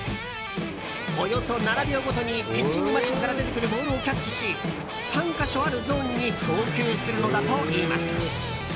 およそ７秒ごとにピッチングマシンから出てくるボールをキャッチし３か所あるゾーンに送球するのだといいます。